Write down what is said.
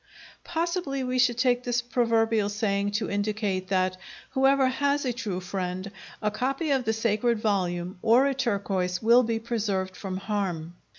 Possibly we should take this proverbial saying to indicate that whoever has a true friend, a copy of the sacred volume or a turquoise will be preserved from harm.